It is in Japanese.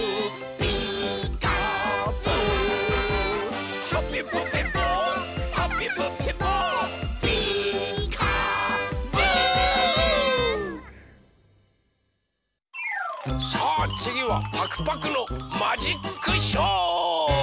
「ピーカーブ！」さあつぎはパクパクのマジックショー！